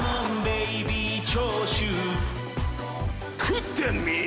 食ってみ。